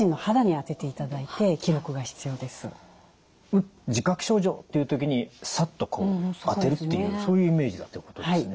「あっ自覚症状」っていう時にサッとこう当てるっていうそういうイメージだってことですね。